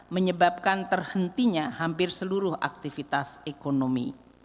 menyebabkan terhentinya hampir seluruh aktivitas ekonomi